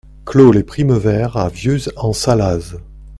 Clos les Primevères à Viuz-en-Sallaz